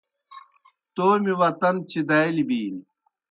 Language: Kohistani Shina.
تومیْ وطن چِدالیْ بِینیْ۔